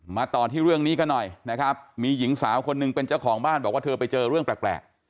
ต่อที่เรื่องนี้กันหน่อยนะครับมีหญิงสาวคนหนึ่งเป็นเจ้าของบ้านบอกว่าเธอไปเจอเรื่องแปลก